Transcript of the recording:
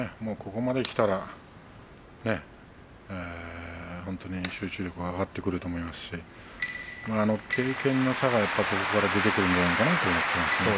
ここまできたら、本当に集中力が上がってくると思いますし経験の差が、ここから出てくるんじゃないかなと思ってますけれど。